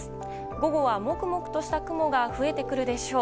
午後は、もくもくとした雲が増えてくるでしょう。